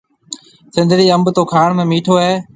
سنڌڙِي انڀ تو کاڻ ۾ مِٺو هيَ۔